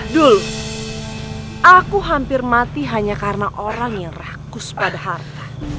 dul aku hampir mati hanya karena orang yang rakus pada harta